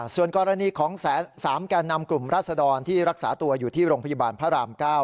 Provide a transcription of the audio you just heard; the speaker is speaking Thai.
ส่วนกรณีของ๓แก่นำกลุ่มราศดรที่รักษาตัวอยู่ที่โรงพยาบาลพระราม๙